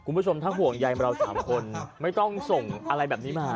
คุณผู้ชมถ้าห่วงใยเรา๓คนไม่ต้องส่งอะไรแบบนี้มา